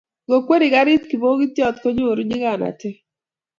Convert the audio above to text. Ngokweri garit kibogitiot konyoru nyikanatet